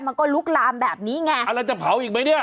มันก็ลุกลามแบบนี้ไงแล้วจะเผาอีกไหมเนี่ย